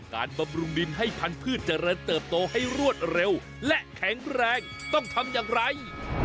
บำรุงดินให้พันธุ์เจริญเติบโตให้รวดเร็วและแข็งแรงต้องทำอย่างไร